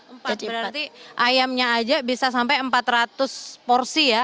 berarti ayamnya aja bisa sampai empat ratus porsi ya